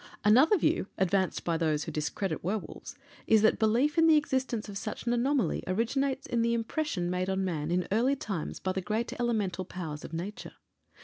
Another view, advanced by those who discredit werwolves, is that belief in the existence of such an anomaly originates in the impression made on man in early times by the great elemental powers of nature.